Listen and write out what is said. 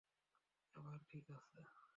এবার ঠিক আছে?